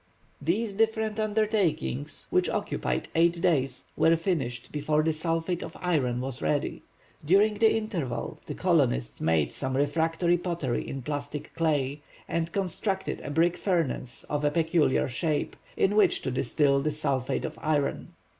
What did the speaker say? These different undertakings, which occupied eight days, were finished before the sulphate of iron was ready. During the interval the colonists made some refractory pottery in plastic clay, and constructed a brick furnace of a peculiar shape, in which to distil the sulphate of iron.